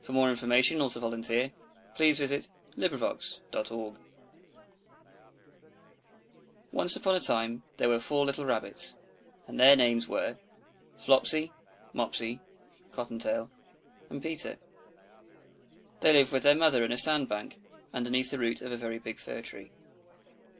SOME ANIMAL STORIES THE TALE OF PETER RABBIT By Beatrix Potter Once upon a time there were four little Rabbits, and their names were Flopsy, Mopsy, Cotton tail, and Peter. They lived with their mother in a sand bank, underneath the root of a very big fir tree.